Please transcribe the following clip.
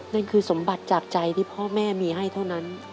นั่นคือสมบัติจากใจที่พ่อแม่มีให้เท่านั้น